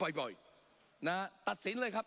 ปรับไปเท่าไหร่ทราบไหมครับ